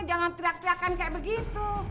jangan teriak teriakan kayak begitu